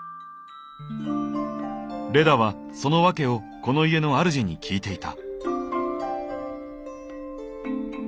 レダはその訳をこの家のあるじに聞いていた。